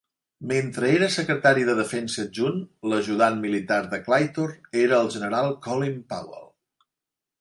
Mentre era secretari de defensa adjunt, l'ajudant militar de Claytor era el general Colin Powell.